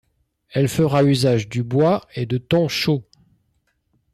Elle fera usage du bois et de tons chauds.